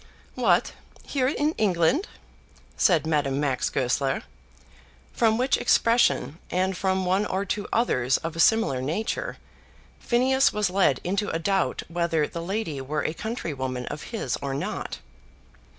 "What, here in England?" said Madame Max Goesler, from which expression, and from one or two others of a similar nature, Phineas was led into a doubt whether the lady were a countrywoman of his or not.